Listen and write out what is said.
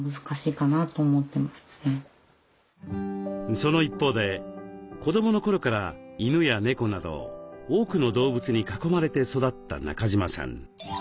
その一方で子どもの頃から犬や猫など多くの動物に囲まれて育った中島さん。